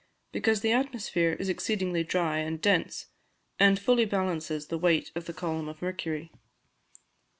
_ Because the atmosphere is exceedingly dry and dense, and fully balances the weight of the column of mercury.